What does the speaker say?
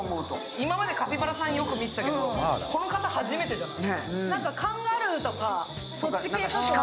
今までカピバラさんよく見たけどこの方、初めてじゃない？